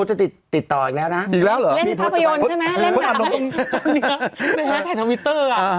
เจ้าเนี้ยในแฮนด์ถ่ายทวิตเตอร์อ่ะ